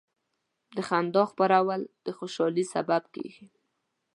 د خندا خپرول د خوشحالۍ سبب کېږي.